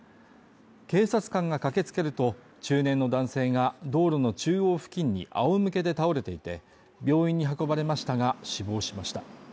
警察官が駆けつけると、中年の男性が道路の中央付近に仰向けで倒れていて病院に運ばれましたが死亡しました。